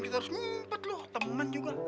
kita harus ngumpet loh teman juga